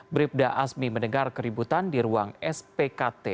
bribda asmi mendengar keributan di ruang spkt